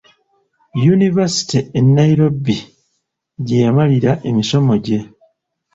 Yunivaasite e Nairobi gye yamalira emisomo gye.